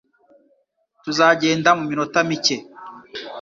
Tuzagenda mu minota mike.